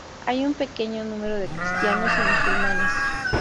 Hay un pequeño número de cristianos y musulmanes.